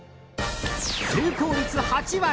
成功率８割？